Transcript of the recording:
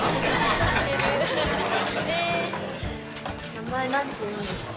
名前何ていうんですか？